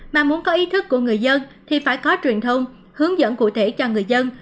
mà muốn có ý thức của người dân thì phải có truyền thông hướng dẫn cụ thể cho người dân